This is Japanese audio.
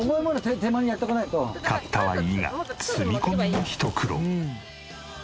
買ったはいいが積み込みもひと苦労。